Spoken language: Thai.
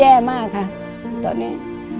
แย่มากค่ะตอนนี้